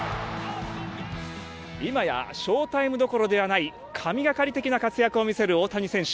今やショウタイムどころではない神がかり的な活躍を見せる大谷選手。